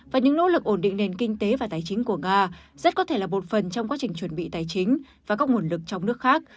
và những nỗ lực ổn định nền kinh tế và tài chính của nga rất có thể là một phần trong quá trình chuẩn bị tài chính và các nguồn lực trong nước khác